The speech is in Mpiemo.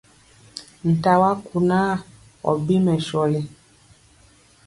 Nta wa kunaa ɔ bi mɛsɔli!